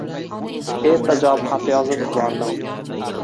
Tezda javob xati yozib yubordim.